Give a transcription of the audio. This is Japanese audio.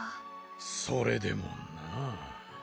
それでもなぁ。